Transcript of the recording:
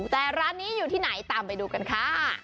แต่ร้านนี้อยู่ที่ไหนตามไปดูกันค่ะ